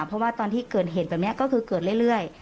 เพราะว่าตอนที่เกิดเหตุแบบนี้ก็คือเกิดเรื่อย